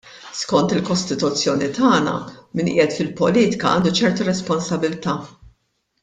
Skont il-Kostituzzjoni tagħna min qiegħed fil-politika għandu ċerta responsabilità.